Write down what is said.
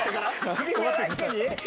首振らないくせに？